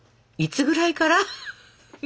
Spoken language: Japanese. いつぐらいから？